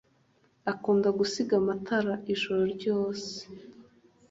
akunda gusiga amatara ijoro ryose